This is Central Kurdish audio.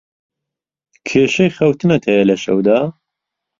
کێشەی خەوتنت هەیە لە شەودا؟